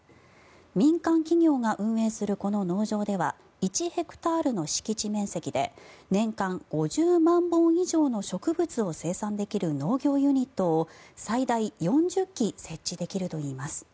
民間企業が運営するこの農場では１ヘクタールの敷地面積で年間５０万本以上の植物を生産できる農業ユニットを最大４０基設置できるといいます。